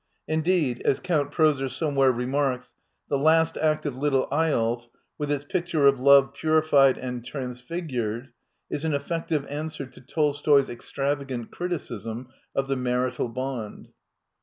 Indeed, as Count Prozor somewhere remarks, the last act oft " Little Eyolf," with its picture of love purifieol and transfigured, is an effective answer to Tolstoy'sl extravagant criticism of the marital bond.